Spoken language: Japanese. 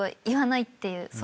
言わないっていう。